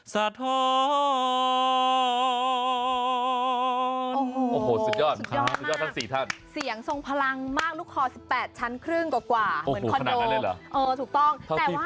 สุดยอดสุดยอดสุดยอดทั้ง๔ท่านเสียงทรงพลังมากลูกคอ๑๘ชั้นครึ่งกว่าเหมือนคอนโดเลยเหรอ